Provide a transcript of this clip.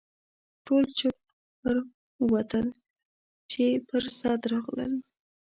ټول چپه پر ووتل چې پر سد راغلل.